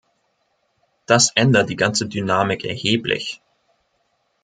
Das ändert die ganze Dynamik erheblich.